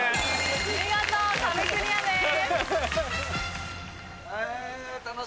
見事壁クリアです。